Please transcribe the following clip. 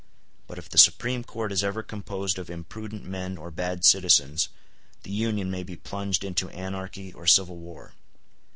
But if the Supreme Court is ever composed of imprudent men or bad citizens, the Union may be plunged into anarchy or civil war.